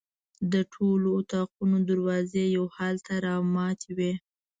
د ټولو اطاقونو دروازې یو حال ته رامتې وې.